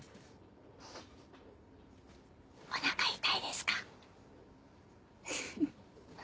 お腹痛いですか？